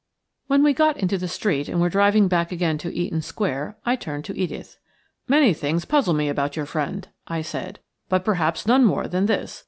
When we got into the street and were driving back again to Eaton Square, I turned to Edith. "Many things puzzle me about your friend," I said, "but perhaps none more than this.